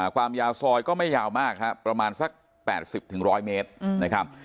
ความยาวซอยก็ไม่ยาวมากครับประมาณสัก๘๐๑๐๐เมตรนะครับ